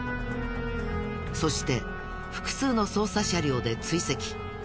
そして複数の捜査車両で追跡。